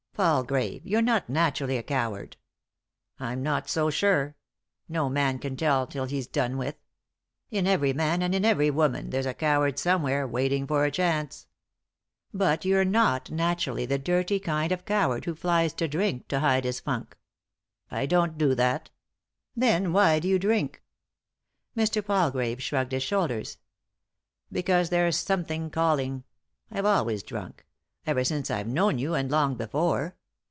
"Palgrave, you're not naturally a coward." 249 3i 9 iii^d by Google THE INTERRUPTED KISS " I'm not so sure. No man can tell till he's done with. In every man, and in every woman, there's a coward somewhere, waiting for a chance." " But you're not naturally the dirty kind of coward who flies to drink to hide his funk." "I don't do that." "Then why do you drink ?" Mr. Palgrave shrugged his shoulders. "Because there's something calling. I've always drunk ; ever since I've known you, and long before.